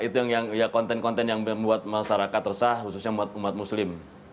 itu yang konten konten yang membuat masyarakat resah khususnya umat muslim